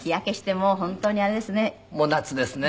もう夏ですね。